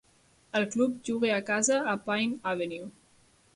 El club juga a casa a "Pine Avenue".